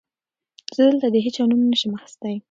زه دلته د هېچا نوم نه شم اخيستی.